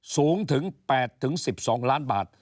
สูงถึง๘๑๒ล้านบาท